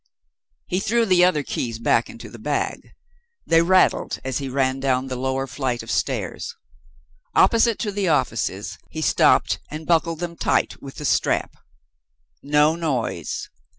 He threw the other keys back into the bag. They rattled as he ran down the lower flight of stairs. Opposite to the offices, he stopped and buckled them tight with the strap. No noise!